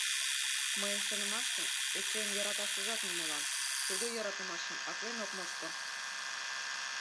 Мыйын шонымаште, Эчейым йӧраташыжат нимолан: тудо йӧратымашым аклен ок мошто.